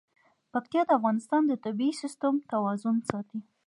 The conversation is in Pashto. پکتیکا د افغانستان د طبعي سیسټم توازن ساتي.